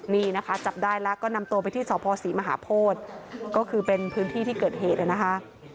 นี่นะคะจับได้แล้วก็นำตัวไปที่สพศรีมหาโพธิก็คือเป็นพื้นที่ที่เกิดเหตุนะคะ